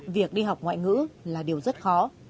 việc đi học ngoại ngữ là điều rất khó